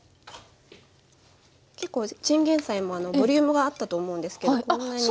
結構チンゲンサイもボリュームがあったと思うんですけどこんなに。